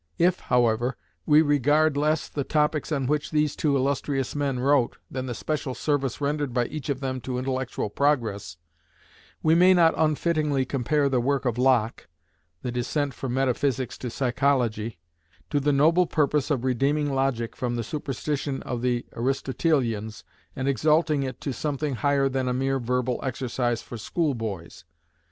If, however, we regard less the topics on which these two illustrious men wrote, than the special service rendered by each of them to intellectual progress, we may not unfittingly compare the work of Locke the descent from metaphysics to psychology to the noble purpose of redeeming logic from the superstition of the Aristotelians, and exalting it to something higher than a mere verbal exercise for school boys.